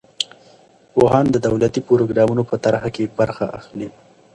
پوهان د دولتي پروګرامونو په طرحه کې برخه اخلي.